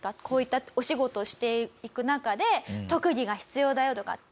こういったお仕事をしていく中で特技が必要だよとか。